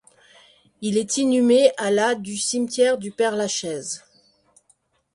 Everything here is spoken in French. Il est inhumé à la du cimetière du Père-Lachaise.